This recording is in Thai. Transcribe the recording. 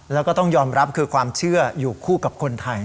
แล้วก็ต้องยอมรับคือความเชื่ออยู่คู่กับคนไทย